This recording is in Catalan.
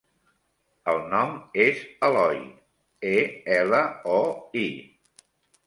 El nom és Eloi: e, ela, o, i.